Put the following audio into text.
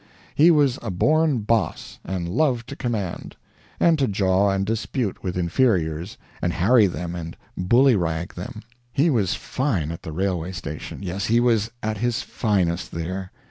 He was a born boss, and loved to command, and to jaw and dispute with inferiors and harry them and bullyrag them. He was fine at the railway station yes, he was at his finest there.